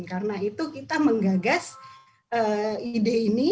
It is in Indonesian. karena itu kita menggagas ide ini